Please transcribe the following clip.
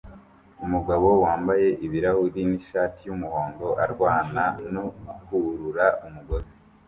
Umugabo wambaye ibirahuri nishati yumuhondo arwana no gukurura umugozi